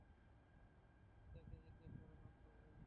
পিতাকে জিজ্ঞেস করেন, আব্বাজান!